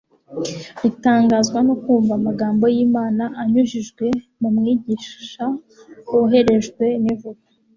ritangazwa no kumva amagambo y’Imana anyujijwe mu Mwigisha woherejwe n’Ijuru